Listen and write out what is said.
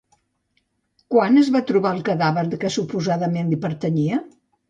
Quan es va trobar el cadàver que suposadament li pertanyia?